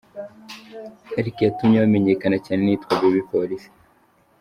Ariko iyatumye bamenyekana cyane ni iyitwa "Baby Police".